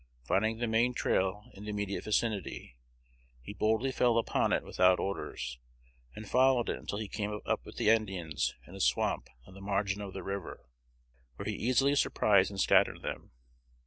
Finding the main trail in the immediate vicinity, he boldly fell upon it without orders, and followed it until he came up with the Indians in a swamp on the margin of the river, where he easily surprised and scattered them.